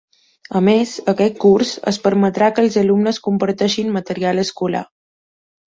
A més, aquest curs es permetrà que els alumnes comparteixin material escolar.